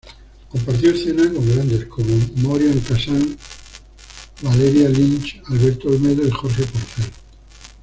Compartió escena con grandes como Moria Casán, Valeria Lynch, Alberto Olmedo y Jorge Porcel.